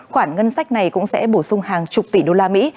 khoản ngân sách này cũng sẽ bổ sung hàng chục tỷ đô la mỹ